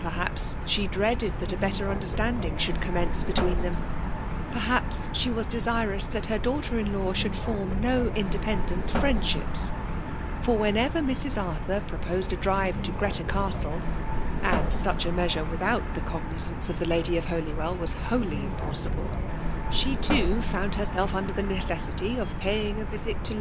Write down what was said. Perhaps she dbreaded tittt a better understanding should comm^iee be* tween them ; perhaps she was desirous that her daughter in law should form no independcel friendships; for whenever Mrs. Arthur pio* posed a drive to Greta Caatle (and such a measure without the cognizance of the lady of Holywell was wholly impossible) she too found herself under the necessity of paying a visit to rt^ktt DOtelNATIOK.